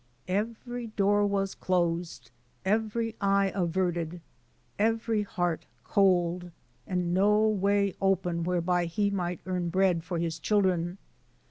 Every door was closed, every eye averted, every heart cold, and no way open whereby he might earn bread for his children.